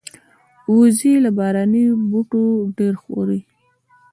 وزې له باراني بوټي ډېر خوري